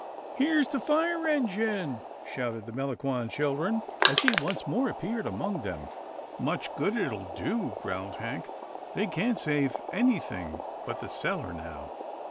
" Here's the fire engine," shouted the Melangon children as he once more appeared among them. " Much good it will do," growled Hank. " They can't save anything but the cellar now."